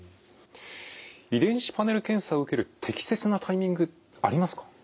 遺伝子パネル検査を受ける適切なタイミングありますか？